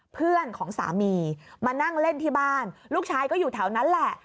เพื่อนของสามีมานั่งเล่นที่บ้านลูกชายก็อยู่แถวนั้นแหละ